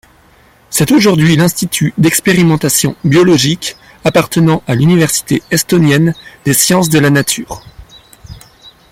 C’est aujourd'hui l’institut d’expérimentation biologique appartenant à l’Université estonienne des sciences de la nature.